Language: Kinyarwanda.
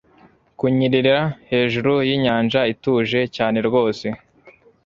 Kunyerera hejuru yinyanja ituje cyane rwose